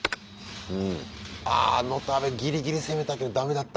あノタベギリギリ攻めたけどだめだった。